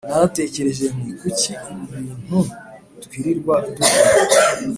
Naratekereje nti kuki ibi bintu twirirwa dukora